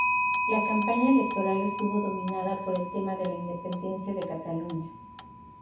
La campaña electoral estuvo dominada por el tema de la independencia de Cataluña.